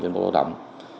trên một lao động